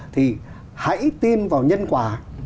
thì hãy tin vào nhân quả